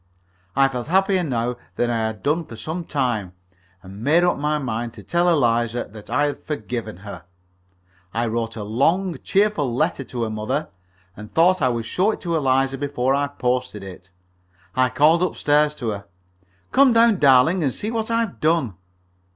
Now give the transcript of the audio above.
I felt happier now than I had done for some time, and made up my mind to tell Eliza that I had forgiven her. I wrote a long, cheerful letter to her mother, and thought I would show it to Eliza before I posted it. I called up stairs to her, "Come down, darling, and see what I've done."